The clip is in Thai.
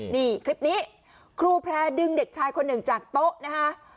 นี่คลิปนี้ครูแพร่ดึงเด็กชายคนหนึ่งจากโต๊ะนะคะ